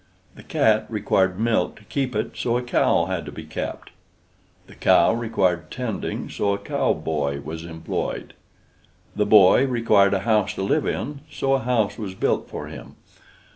The cat required milk to keep it, so a cow had to be kept. The cow required tending, so a cow boy was employed. The boy required a house to live in, so a house was built for him.